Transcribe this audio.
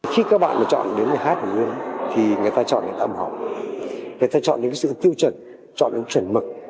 khi các bạn mà chọn đến hát hồ gươm thì người ta chọn đến âm họng người ta chọn đến sự tiêu chuẩn chọn đến chuẩn mực